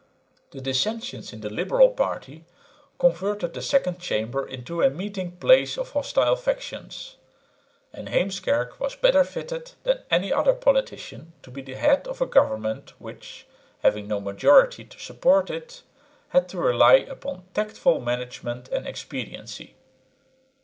The dissensions in the liberal party converted the Second Chamber into a meeting place of hostile factions; and Heemskerk was better fitted than any other politician to be the head of a government which, having no majority to support it, had to rely upon tactful management and expediency.